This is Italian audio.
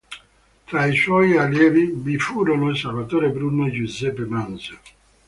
Tra i suoi allievi vi furono Salvatore Bruno e Giuseppe Manzo.